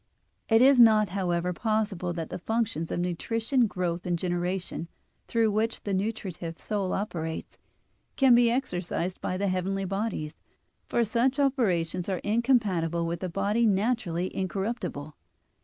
It is not, however, possible that the functions of nutrition, growth, and generation, through which the nutritive soul operates, can be exercised by the heavenly bodies, for such operations are incompatible with a body naturally incorruptible.